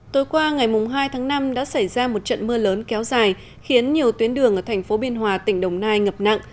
tối qua ngày hai tháng năm đã xảy ra một trận mưa lớn kéo dài khiến nhiều tuyến đường ở thành phố biên hòa tỉnh đồng nai ngập nặng